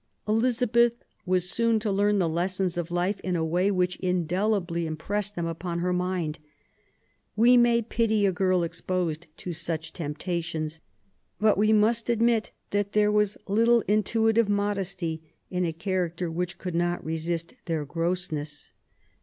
Elizabeth was soon to learn the lessons of life in a way which indeliby impressed them upon her mind. We may pity a girl exposed to such temptations; but we must admit that there was little intuitive modesty in a character which could not resist their grossness.